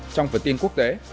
trong phần tin quốc tế